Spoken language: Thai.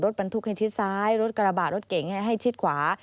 บรรทุกให้ชิดซ้ายรถกระบะรถเก่งให้ชิดขวา